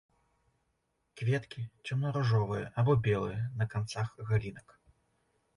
Кветкі цёмна-ружовыя або белыя, на канцах галінак.